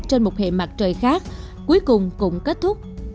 trên một hệ mặt trời khác cuối cùng cũng kết thúc